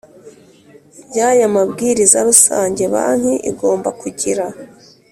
y aya mabwiriza rusange banki igomba kugira